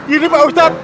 ini pak ustad